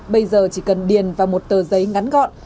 bây giờ chỉ cần điền vào một tờ giấy ngắn gọn